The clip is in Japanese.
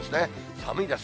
寒いです。